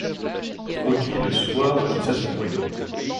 Produit le soir qui s’assombrit